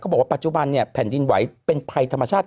บอกว่าปัจจุบันเนี่ยแผ่นดินไหวเป็นภัยธรรมชาติ